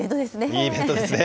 いいイベントですね。